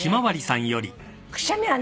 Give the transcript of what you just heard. くしゃみね。